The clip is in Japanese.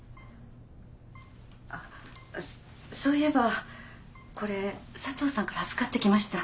あっそういえばこれ佐藤さんから預かってきました。